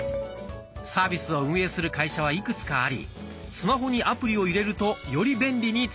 サービスを運営する会社はいくつかありスマホにアプリを入れるとより便利に使えます。